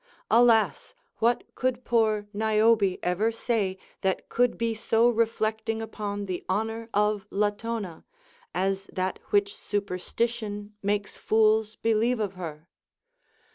Alas I what could poor Niobe ever say that could be so reflecting upon the honor of Latona, as that Avhich superstition makes fools believe of her"?